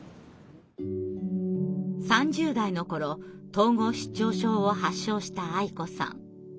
３０代の頃統合失調症を発症したあい子さん。